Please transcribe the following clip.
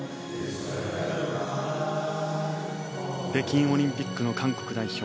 北京オリンピックの韓国代表。